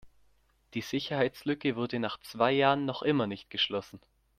Die Sicherheitslücke wurde nach zwei Jahren noch immer nicht geschlossen.